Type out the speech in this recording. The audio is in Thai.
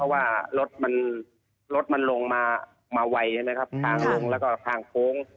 เพราะว่ารถมันลงมาไวทางลงแล้วก็ทางโพง